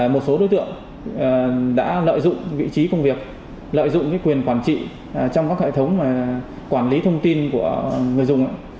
một số đối tượng đã lợi dụng vị trí công việc lợi dụng quyền quản trị trong các hệ thống quản lý thông tin của người dùng